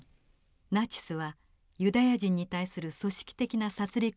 ナチスはユダヤ人に対する組織的な殺戮を開始しました。